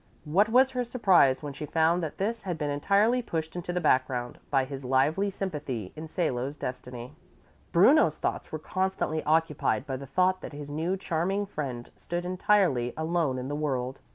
What was her surprise when she found that this had been entirely pushed into the background by his lively sympathy in Salo's destiny. Bruno's thoughts were constantly occupied by the thought that his new, charming friend stood entirely alone in the world.